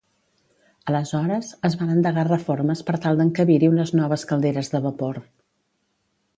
Aleshores, es van endegar reformes per tal d'encabir-hi unes noves calderes de vapor.